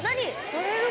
取れる？